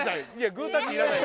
グータッチいらない。